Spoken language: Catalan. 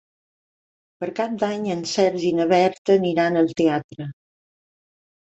Per Cap d'Any en Sergi i na Berta aniran al teatre.